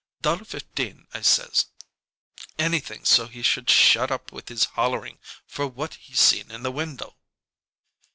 'Dollar fifteen,' I says anything so he should shut up with his hollering for what he seen in the window."